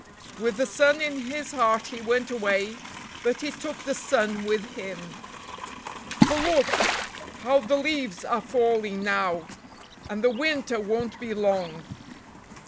With the sun in his heart he went away, but he took the sun with him. For look! How the leaves are falling now, and the winter won't be long.